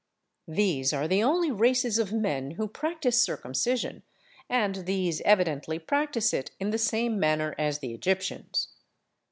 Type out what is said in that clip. These are the only races of men who practise circumcision, and these evidently practise it in the same manner as the Egyptians.